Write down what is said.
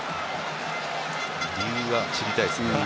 理由が知りたいですね。